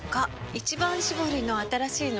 「一番搾り」の新しいの？